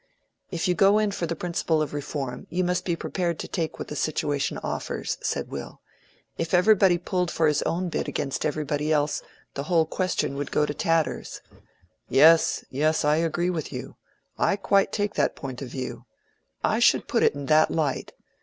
"If you go in for the principle of Reform, you must be prepared to take what the situation offers," said Will. "If everybody pulled for his own bit against everybody else, the whole question would go to tatters." "Yes, yes, I agree with you—I quite take that point of view. I should put it in that light.